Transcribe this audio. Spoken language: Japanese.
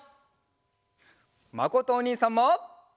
まことおにいさんも。